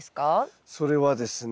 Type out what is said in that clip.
それはですね